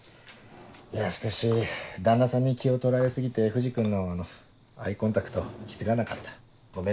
いやしかし旦那さんに気を取られ過ぎて藤君のあのアイコンタクト気付かなかったごめんね。